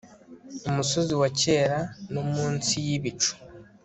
Umusozi wa kera no munsi yibicu